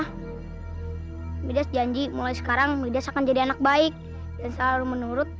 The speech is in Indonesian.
hai midas janji mulai sekarang midas akan jadi anak baik dan selalu menurut